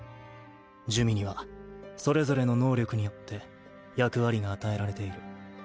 珠魅にはそれぞれの能力によって役割が与えられている。